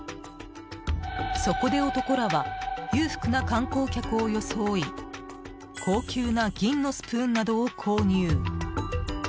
そこで男らは裕福な観光客を装い高級な銀のスプーンなどを購入。